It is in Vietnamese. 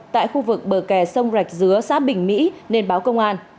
tại khu vực bờ kè sông rạch dứa xã bình mỹ nên báo công an